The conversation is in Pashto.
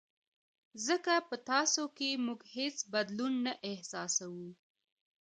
ځکه په تاسو کې موږ هېڅ بدلون نه احساسوو.